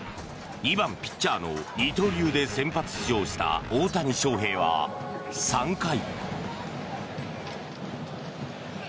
２番ピッチャーの二刀流で先発出場した大谷翔平は３回。